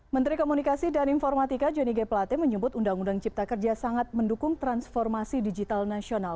menteri komunikasi dan informatika johnny g plate menyebut undang undang cipta kerja sangat mendukung transformasi digital nasional